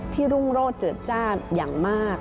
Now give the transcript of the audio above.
รุ่งโรธเจิดจ้าอย่างมาก